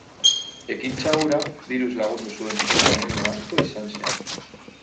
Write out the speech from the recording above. Ekintza hura diruz lagundu zuen jende anonimo asko izan zen.